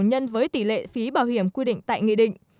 nhân với tỷ lệ phí bảo hiểm quy định tại nghị định